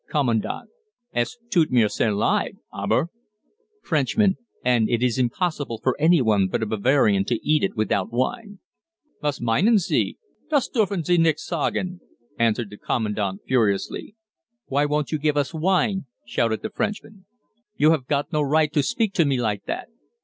Commandant. "Es tut mir sehr leid, aber " Frenchman. "And it is impossible for any one but a Bavarian to eat it without wine." "Was meinen Sie, das dürfen Sie nicht sagen," answered the Commandant furiously. "Why won't you give us wine?" shouted the Frenchman. "You have got no right to speak to me like that."